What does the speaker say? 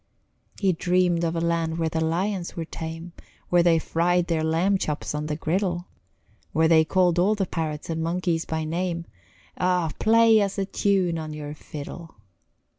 He dreamed of a land where the lions were tame, Where they fried their lamb chops on a griddle, Where they called all the parrots and monkeys by name Oh, play us a tune on your fiddle!